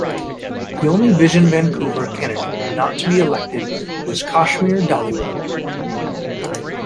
The only Vision Vancouver candidate not to be elected was Kashmir Dhalliwal.